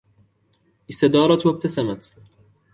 استدارت و ابتسمت.